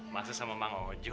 maksudnya sama mang ojo